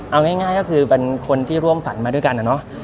เอาง่ายก็คือเป็นคนที่ร่วมฝันมาด้วยกันอะเนาะ